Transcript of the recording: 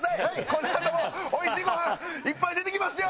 このあとも美味しいご飯いっぱい出てきますよ！